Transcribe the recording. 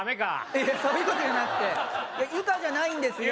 いやそういうことじゃなくてユカじゃないんですよ